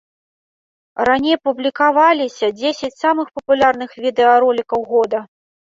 Раней публікаваліся дзесяць самых папулярных відэаролікаў года.